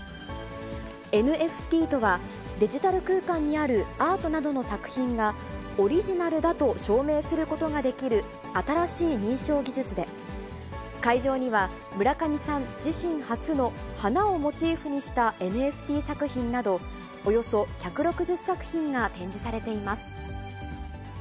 ＮＦＴとは、デジタル空間にあるアートなどの作品が、オリジナルだと証明することができる新しい認証技術で、会場には、村上さん自身初の花をモチーフにしたＮＦＴ作品など、およそ１６０作品が展示されています。